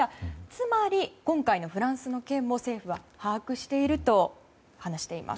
つまり、今回のフランスの件も政府は把握していると話しています。